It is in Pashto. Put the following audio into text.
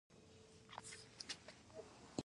افغانستان کې جلګه د خلکو د خوښې وړ ځای دی.